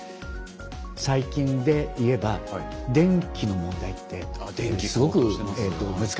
最近で言えば電気の問題ってすごく難しいですよね。